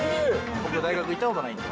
僕、大学、行ったことないんで。